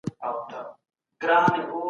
ورځنی ژوند له ننګونو ډک وي.